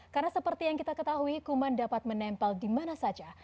karena seperti yang kita ketahui kuman dapat menempel di mana saja